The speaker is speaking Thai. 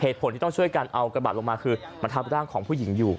เหตุผลที่ต้องช่วยกันเอากระบะลงมาคือมาทับร่างของผู้หญิงอยู่